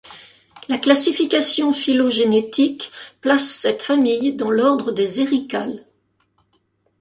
La classification phylogénétique place cette famille dans l'ordre des Ericales.